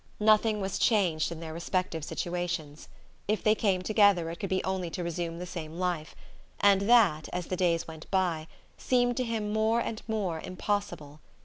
Nothing was changed in their respective situations; if they came together it could be only to resume the same life; and that, as the days went by, seemed to him more and more impossible.